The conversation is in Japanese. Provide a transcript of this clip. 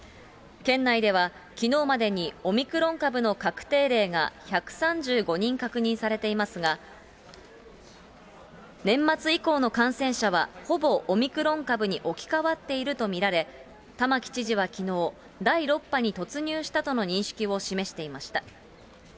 県内ではきのうまでに、オミクロン株の確定例が１３５人確認されていますが、年末以降の感染者は、ほぼオミクロン株に置き換わっていると見られ、玉城知事はきのう、第６波に突入したとの認識を示していました。